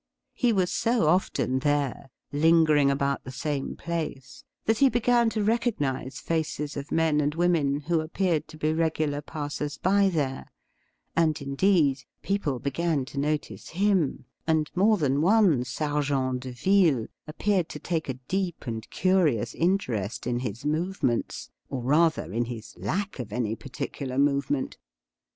He was so often there, lingering about the same place, that he began to recognise faces of men and women who appeared to be regular passers by there — and, indeed, people began to notice him, and more than one sergent de ville appeared to take a deep and curious interest in his movements, or, rather, in his lack of any particular movement.